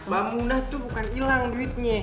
mamunah tuh bukan ilang duitnya